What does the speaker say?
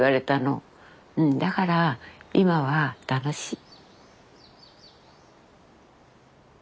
うんだから今は楽しい。